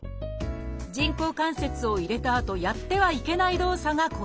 人工関節を入れたあとやってはいけない動作がこちら。